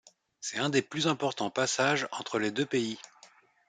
C'est un des plus importants passages entre les deux pays.